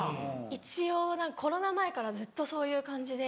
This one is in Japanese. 一応コロナ前からずっとそういう感じで。